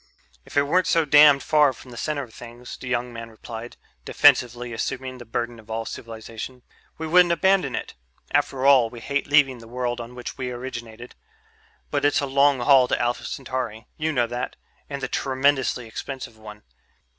"If it weren't so damned far from the center of things," the young man replied, defensively assuming the burden of all civilization, "we wouldn't abandon it. After all, we hate leaving the world on which we originated. But it's a long haul to Alpha Centauri you know that and a tremendously expensive one.